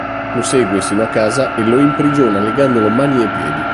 Lo segue sino a casa e lo imprigiona legandolo mani e piedi.